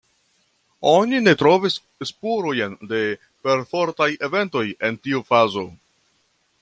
Oni ne trovis spurojn de perfortaj eventoj en tiu fazo.